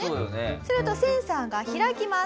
するとセンサーが開きます。